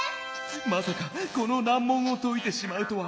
「まさかこのなんもんをといてしまうとは」。